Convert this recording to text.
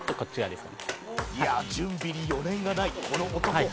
いや準備に余念がないこの男